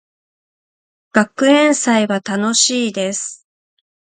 学園祭は楽しいです。